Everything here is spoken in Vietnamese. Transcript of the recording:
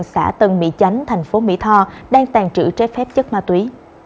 xã tân mỹ chánh thành phố mỹ tho đang tàn trữ trái phép chất ma túy